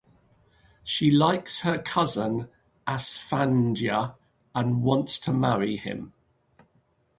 She likes her cousin Asfandyar and wants to marry him.